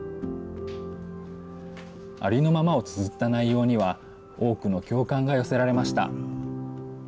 ありのままをつづった内容には、多くの共感が寄せられました。